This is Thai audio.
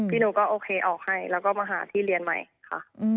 หนูก็โอเคออกให้แล้วก็มาหาที่เรียนใหม่ค่ะ